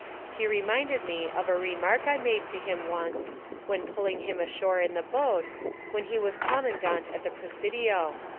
He reminded me of a remark I made to him once, when pulling him ashore in the boat, when he was commandante at the Presidio.